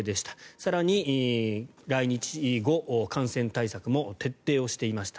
更に来日後感染対策も徹底をしていました。